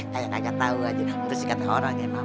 kayak kagak tahu aja terus ikut orang ya